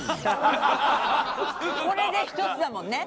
これで１つだもんね。